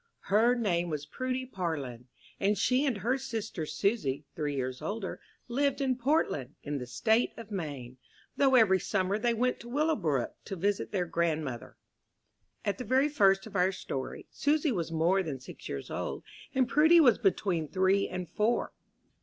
Her name was Prudy Parlin, and she and her sister Susy, three years older, lived in Portland, in the State of Maine, though every summer they went to Willowbrook, to visit their grandmother. At the very first of our story, Susy was more than six years old, and Prudy was between three and four.